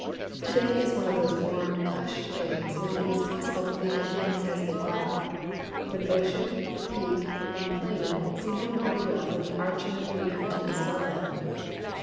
To day is one of those warm, hushed days when it is possible to think of things as they are, — when ocean, peak, and plain seem no more real than the arching of blue emptiness above them.